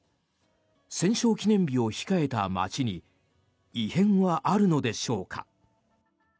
戦勝記念日を控えた街に異変はあるのでしょうか。